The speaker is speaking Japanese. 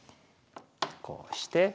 こうして。